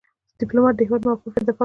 ډيپلومات د هیواد موقف دفاع کوي.